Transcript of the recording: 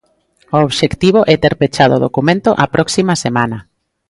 O obxectivo é ter pechado o documento a próxima semana.